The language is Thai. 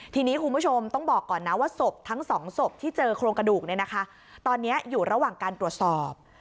ทีนี้คุณผู้ชมต้องบอกก่อนนะว่าศพทั้งสองศพที่เจอโครงกระดูกเนี่ยนะคะตอนนี้อยู่ระหว่างการตรวจสอบ